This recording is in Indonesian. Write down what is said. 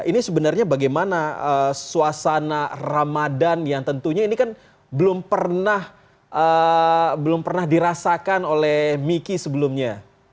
ini sebenarnya bagaimana suasana ramadan yang tentunya ini kan belum pernah dirasakan oleh miki sebelumnya